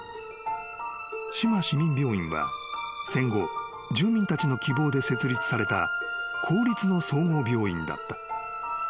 ［志摩市民病院は戦後住民たちの希望で設立された公立の総合病院だった］